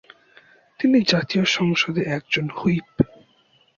তিনি জাতীয় সংসদের একজন হুইপ।